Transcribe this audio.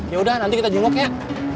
yaudah nanti kita jengok ya